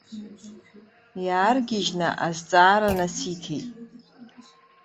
Иааргьежьны азҵаара насиҭеит.